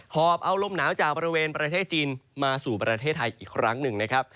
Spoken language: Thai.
อบเอาลมหนาวจากบริเวณประเทศจีนมาสู่ประเทศไทยอีกครั้งหนึ่งนะครับ